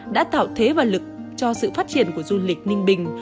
đã tạo thế và lực cho sự phát triển của du lịch ninh bình